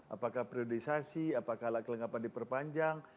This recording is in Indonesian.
apakah priorisasi apakah alat kelengkapan diperpanjang